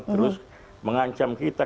terus mengancam kita